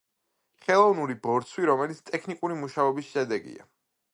ხელოვნური ბორცვი, რომელიც ტექნიკური მუშაობის შედეგია.